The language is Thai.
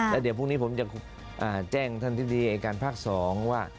แล้วเดี๋ยวพรุ่งนี้ผมจะแจ้งท่านธิบดีอายการภาค๒ว่า